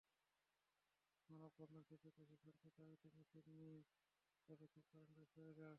মানববন্ধন শেষে দেশে শান্তির দাবিতে মিছিল নিয়ে শহর প্রদক্ষিণ করেন ব্যবসায়ীরা।